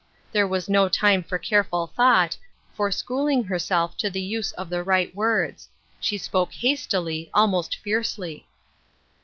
There was no time for careful thought, for school ing herself to the use of the right words ; she spoke hastily, almost fiercely.